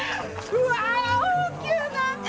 うわ大きゅうなって！